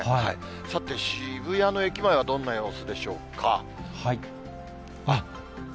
さて、渋谷の駅前はどんな様子でしょうか。